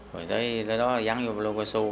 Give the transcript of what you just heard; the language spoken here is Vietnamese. rồi tới đó dắn vô vé số